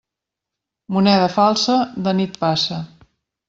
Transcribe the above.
Moneda falsa, de nit passa.